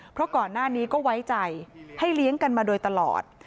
เพราะก่อนหน้านี้ก็ไว้ใจให้เลี้ยงกันมาโดยตลอด